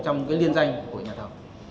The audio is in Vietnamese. trong cái liên danh của nhà thầu